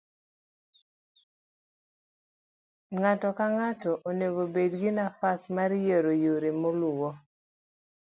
ng'ato ka ng'ato onego bed gi nafas mar yiero yore moluwo